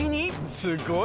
すごい。